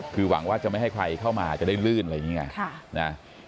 คือหวังว่าจะไม่ให้ใครเข้ามาจะได้ลื่นอะไรอย่างนี้ไง